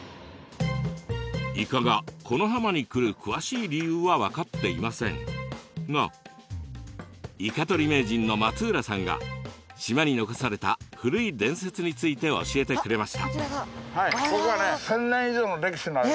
イカがこの浜に来る詳しい理由は分かっていませんがイカとり名人の松浦さんが島に残された古い伝説について教えてくれました。